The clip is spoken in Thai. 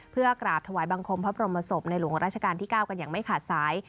เพื่อกราบถวายบังคมพระบรมศพในหลวงราชการที่๙กันอย่างไม่ขาดสาย